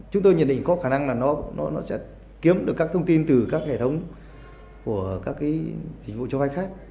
chúng tôi nhận định có khả năng là nó sẽ kiếm được các thông tin từ các hệ thống của các dịch vụ cho vay khác